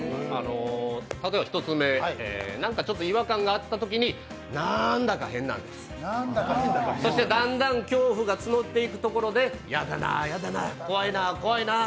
例えば１つ目、なんかちょっと違和感があったときになーんだか変なんです、そしてだんだん恐怖が募っていくところでやだなーやだなー怖いなー怖いなー。